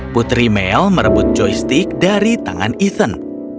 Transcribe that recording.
putri mel merebut joystick dari tangan eason